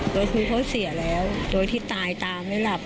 ตัวคุณเขาเสียแล้วตัวที่ตายตาไม่หลับ